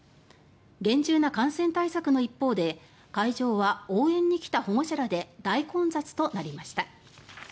厳重な感染対策の一方で会場は応援に来た保護者らで大混雑となりました。